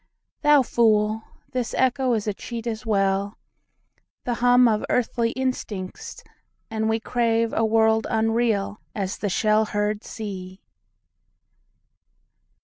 Thou fool; this echo is a cheat as well,—The hum of earthly instincts; and we craveA world unreal as the shell heard sea.